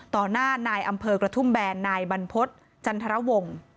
หน้านายอำเภอกระทุ่มแบนนายบรรพฤษจันทรวงศ์